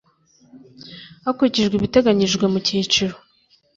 Hakurikijwe ibiteganyijwe mu cyiciro